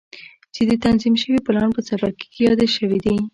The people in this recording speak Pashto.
چې د تنظيم شوي پلان په څپرکي کې يادې شوې دي.